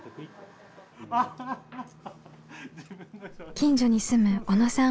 近所に住む小野さん